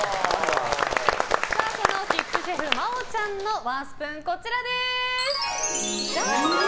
そのキッズシェフの真央ちゃんのワンスプーンはこちら。